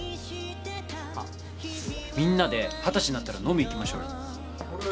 あっみんなで二十歳になったら飲み行きましょうよ。